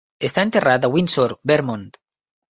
Està enterrat a Windsor, Vermont.